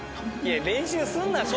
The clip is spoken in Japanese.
練習すんなって。